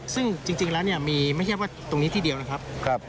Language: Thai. ซึ่งจริงแล้วเนี่ยมีไม่ใช่ว่าตรงนี้ที่เดียวนะครับ